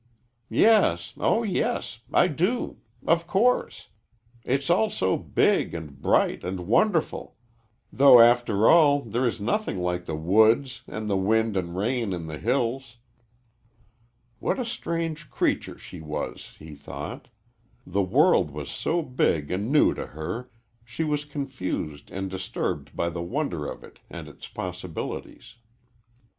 "Yes, oh, yes; I do, of course! It's all so big and bright and wonderful, though after all there is nothing like the woods, and the wind and rain in the hills." What a strange creature she was, he thought. The world was so big and new to her, she was confused and disturbed by the wonder of it and its possibilities.